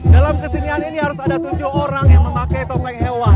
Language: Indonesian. dalam kesenian ini harus ada tujuh orang yang memakai topeng hewan